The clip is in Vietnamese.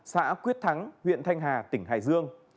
xã quyết thắng huyện thanh hà tỉnh hải dương